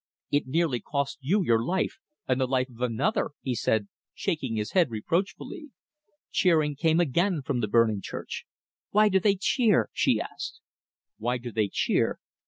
"It nearly cost you your life and the life of another," he said, shaking his head reproachfully. Cheering came again from the burning church. "Why do they cheer?" she asked. "Why do they cheer?